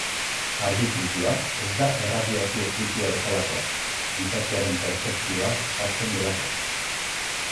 Argi-fluxua ez da erradiazio fluxua bezalakoa, gizakiaren pertzepzioa sartzen delako.